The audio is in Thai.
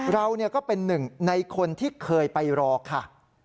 เราก็เป็นหนึ่งในคนที่เคยไปรอค่ะ